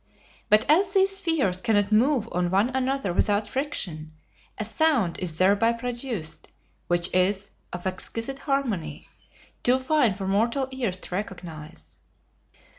But as these spheres cannot move on one another without friction, a sound is thereby produced which is of exquisite harmony, too fine for mortal ears to recognize.